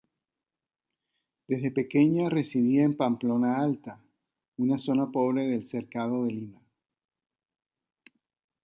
Desde pequeña residía en Pamplona Alta, una zona pobre del cercado de Lima.